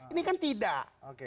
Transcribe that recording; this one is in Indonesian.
ini kan tidak